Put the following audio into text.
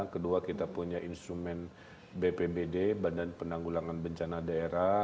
kedua kita punya instrumen bpbd badan penanggulangan bencana daerah